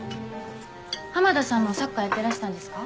浜田さんもサッカーやってらしたんですか？